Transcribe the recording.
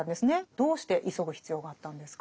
どうして急ぐ必要があったんですか？